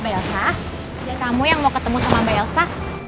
mbak elsa kamu yang mau ketemu sama mbak elsa